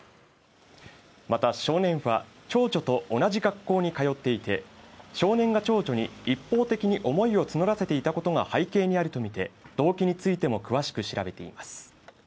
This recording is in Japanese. また、少年は長女と同じ学校に通っていて少年が長女に一方的に思いを募らせていたことが背景にあるとみて、動機についても詳しく調べています。